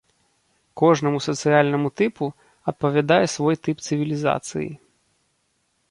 Кожнаму сацыяльнаму тыпу адпавядае свой тып цывілізацыі.